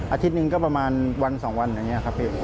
อาทิตย์หนึ่งก็ประมาณวันสองวันอย่างนี้ครับพี่